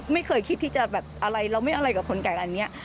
ไม่เคยคิดที่จะแบบอะไรเราไม่อะไรกับคนแก่อันนี้